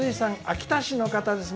秋田市の方です。